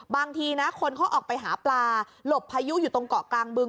บางทีนะคนเขาออกไปหาปลาหลบพายุอยู่ตรงเกาะกลางบึง